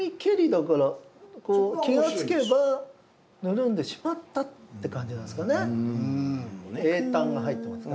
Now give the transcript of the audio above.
だから気が付けばぬるんでしまったって感じなんですかね。